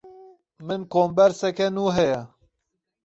Min komberseke nû heye.